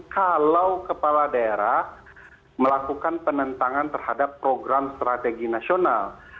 kalau kepala daerah melakukan penentangan terhadap program strategi nasional